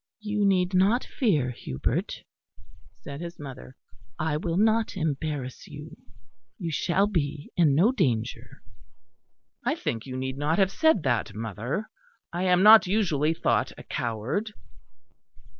"You need not fear, Hubert," said his mother, "I will not embarrass you. You shall be in no danger." "I think you need not have said that, mother; I am not usually thought a coward."